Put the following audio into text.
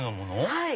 はい。